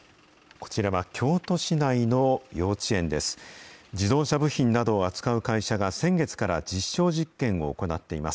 こちらは京都市内の幼稚園です。